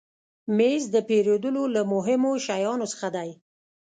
مېز د پیرودلو له مهمو شیانو څخه دی.